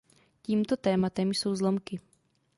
Tímto tématem jsou zlomky.